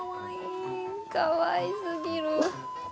かわいすぎる。